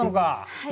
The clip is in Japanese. はい。